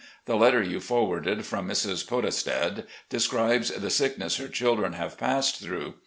The letter you forwarded from Mrs. Podestad describes the sickness her children have passed through.